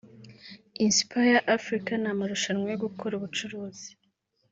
Inspire Africa” ni amarushanwa yo gukora ubucuruzi (Business)